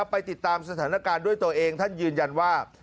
ไปติดตามสถานการณ์ด้วยตัวเองท่านยืนยันว่า